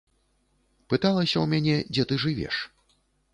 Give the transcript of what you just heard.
Пыталася ў мяне, дзе ты жывеш.